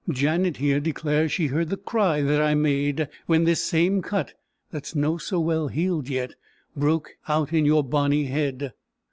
Janet, here, declares she heard the cry that I made, when this same cut, that's no so well healed yet, broke out in your bonny head.